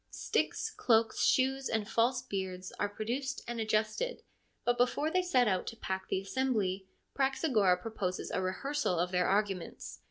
Sticks, cloaks, shoes, and false beards are produced and adjusted, but before they set out to pack the assembly Praxagora proposes a rehearsal of their arguments.